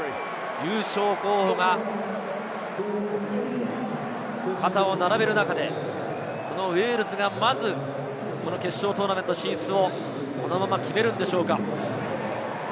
優勝候補が肩を並べる中で、このウェールズがまず決勝トーナメント進出をこのまま決めるんでしょうか？